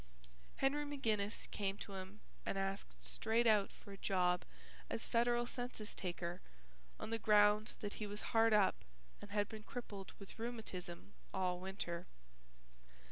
Henry McGinnis came to him and asked straight out for a job as federal census taker on the ground that he was hard up and had been crippled with rheumatism all winter.